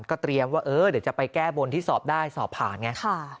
ก็เตรียมว่าเออเดี๋ยวจะไปแก้บนที่สอบได้สอบผ่านไง